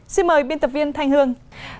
xin mời biên tập viên thanh hương